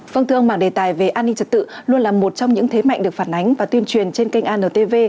phương thương mảng đề tài về an ninh trật tự luôn là một trong những thế mạnh được phản ánh và tuyên truyền trên kênh antv